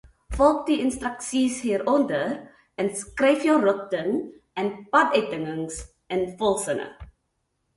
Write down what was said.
Volg die instruksies hieronder en skryf jou rigting- en padaanduidings in volsinne.